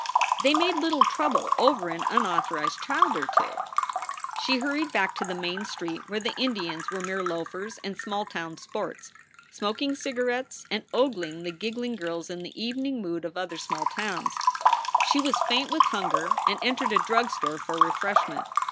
They made little trouble over an unauthorized child or two. She hurried back to the main street where the Indians were mere loafers and small town sports, smoking cigarettes and ogling the giggling girls in the evening mood of other small towns. She was faint with hunger and entered a drug store for refreshment.